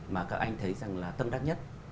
mà các anh thấy là tâm đắc nhất